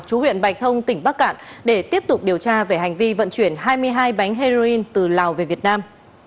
chú huyện bạch thông tỉnh bắc cạn để tiếp tục điều tra về hành vi vận chuyển hai mươi hai bánh heroin từ lào về việt nam